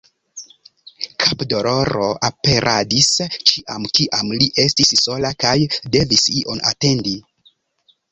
Kapdoloro aperadis ĉiam kiam li estis sola kaj devis ion atendi.